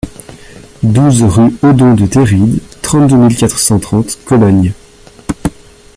douze rue Odon de Terride, trente-deux mille quatre cent trente Cologne